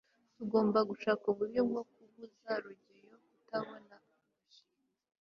tugomba gushaka uburyo bwo kubuza rugeyo kutabona gashinzi